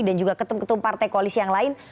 dan juga ketum ketum partai koalisi yang lain